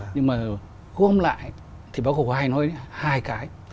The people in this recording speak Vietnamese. nhưng mà hôm lại thì bác hồ hay nói hai cái